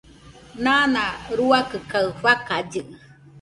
Nana ruakɨ kaɨ fakallɨ